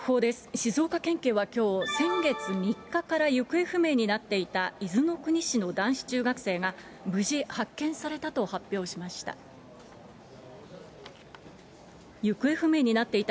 静岡県警はきょう、先月３日から行方不明になっていた伊豆の国市の男子中学生が無事発見されたと発表しました。